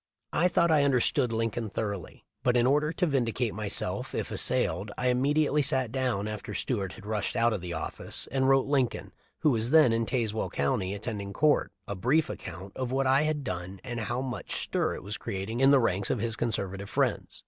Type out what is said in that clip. I thought I understood Lincoln thoroughly, but in order to vindicate myself if assailed I imme diately sat down, after Stuart had rushed out of the office, and wrote Lincoln, who was then in Tazewell County attending court, a brief account of what I had done and how much stir it was creating in the ranks of his conservative friends.